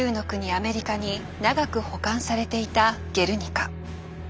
アメリカに長く保管されていた「ゲルニカ」。